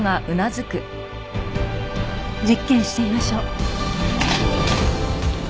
実験してみましょう。